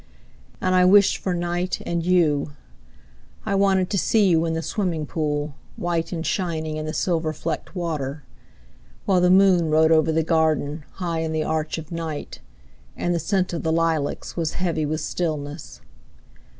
And I wished for night and you. I wanted to see you in the swimming pool, White and shining in the silver flecked water. While the moon rode over the garden, High in the arch of night, And the scent of the lilacs was heavy with stillness.